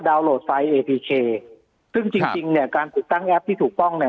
โหลดไซต์เอพีเคซึ่งจริงจริงเนี่ยการติดตั้งแอปที่ถูกต้องเนี่ย